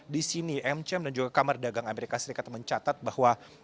di sini mcm dan juga kamar dagang amerika serikat mencatat bahwa